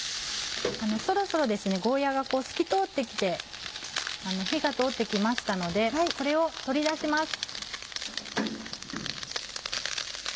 そろそろゴーヤが透き通って来て火が通って来ましたのでこれを取り出します。